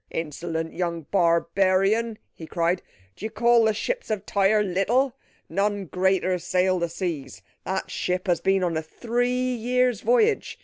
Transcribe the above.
"Insolent young barbarian!" he cried. "Do you call the ships of Tyre little? None greater sail the seas. That ship has been on a three years' voyage.